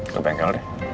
ke bengkel deh